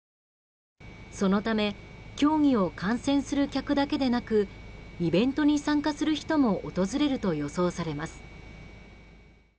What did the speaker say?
そのため競技を観戦する客だけでなくイベントに参加する人も訪れると予想されます。